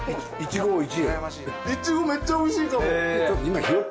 いちごめっちゃおいしいかも。